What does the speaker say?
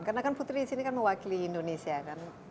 karena kan putri disini mewakili indonesia kan